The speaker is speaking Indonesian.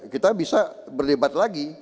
kita bisa berdebat lagi